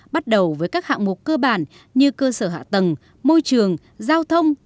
bắt đầu với các hạng mục cơ bản như cơ sở hạ tầng môi trường giao thông và ứng dụng